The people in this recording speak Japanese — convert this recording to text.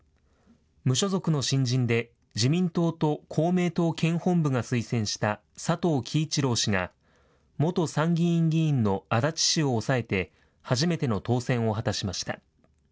無所属の新人で、自民党と公明党県本部が推薦した佐藤樹一郎氏が元参議院議員の安達氏を抑えて、初めての当選を果たしました。